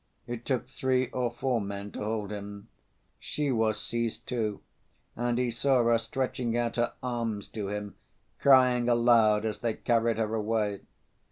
It took three or four men to hold him. She was seized too, and he saw her stretching out her arms to him, crying aloud as they carried her away.